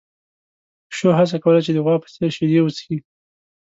پيشو هڅه کوله چې د غوا په څېر شیدې وڅښي.